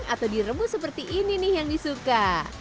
atau direbus seperti ini nih yang disuka